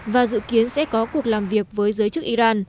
và dự kiến sẽ có cuộc làm việc với giới chức iran